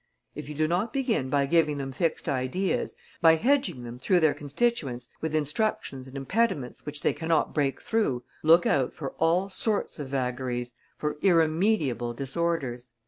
If you do not begin by giving them fixed ideas, by hedging them, through their constituents, with instructions and impediments which they cannot break through, look out for all sorts of vagaries, for irremediable disorders."